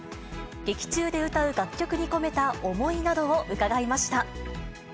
劇中で歌う楽曲に込めた思いなどを伺いました。